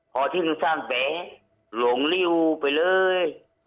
พอที่หนึ่งสร้างแบ๋รงริ่วไปเลย